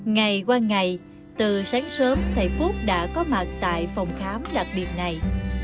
ngày qua ngày từ sáng sớm thầy phúc đã có mặt tại phòng khám đặc biệt này